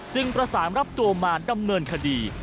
ประสานรับตัวมาดำเนินคดี